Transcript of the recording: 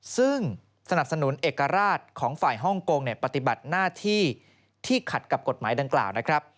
ซึ่งสนับสนุนเอกราชของฝ่ายฮ่องกงปฏิบัติหน้าที่ที่ขัดกับกฎหมายดังกล่าวนะครับ